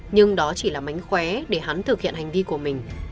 nhưng đó chỉ là mánh khóe để hắn thực hiện hành vi của mình